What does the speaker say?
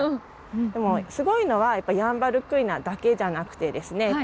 でもすごいのはやっぱヤンバルクイナだけじゃなくてですね